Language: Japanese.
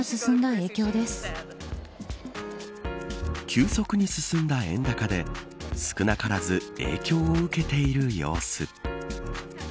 急速に進んだ円高で少なからず影響を受けている様子。